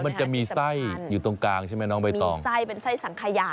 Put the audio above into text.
มันจะมีไส้อยู่ตรงกลางใช่มั้ยน้องใบต่อง